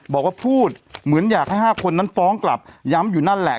บอกว่าพูดเหมือนอยากให้๕คนนั้นฟ้องกลับย้ำอยู่นั่นแหละ